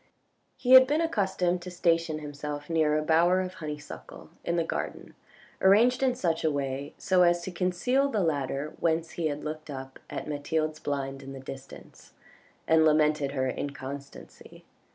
He had been accustomed to station himself near a bower of FRIGHTEN HER 439 honeysuckle in the garden arranged in such a way so as to conceal the ladder when he had looked up at Mathilde's blind in the distance, and lamented her inconstancy.